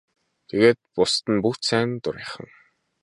Тэгээд бусад нь бүгд сайн дурынхан.